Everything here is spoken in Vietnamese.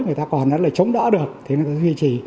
người ta còn chống đỡ được thì người ta sẽ duy trì